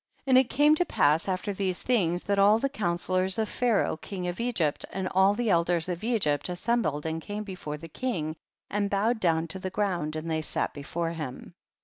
And it came to pass after these things, that all the counsellors of Pharaoh, king of Egypt, and all the elders of Egypt assembled and came before the king and bowed down to the ground, and they sat before him.